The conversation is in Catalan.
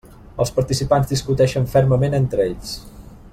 Els participants discuteixen fermament entre ells.